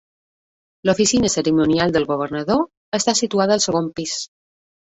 L'oficina cerimonial del governador està situada al segon pis.